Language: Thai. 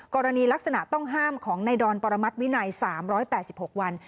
กรณีลักษณะต้องห้ามของในดอนปรมัติวินัย๓๘๖วัน